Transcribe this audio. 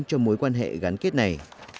cho mối quan hệ gắn kết này